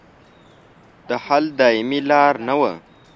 د حل دایمي لار نه وه.